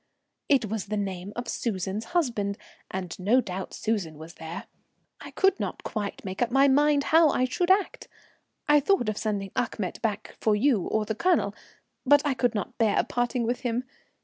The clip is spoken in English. "It was the name of Susan's husband, and no doubt Susan was there. I could not quite make up my mind how I should act. I thought of sending Achmet back for you or the Colonel, but I could not bear parting with him.